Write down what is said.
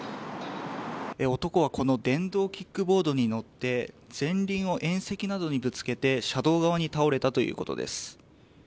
男はこの電動キックボードに乗って前輪を縁石などにぶつけて車道側に倒れたということです。